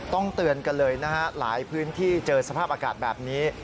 เตือนกันเลยนะฮะหลายพื้นที่เจอสภาพอากาศแบบนี้